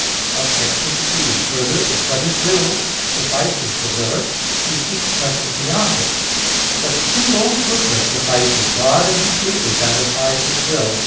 Obj. 3: Further, if what is willed suffices the willer, he seeks nothing beyond it. But His own goodness suffices God, and completely satisfies His will.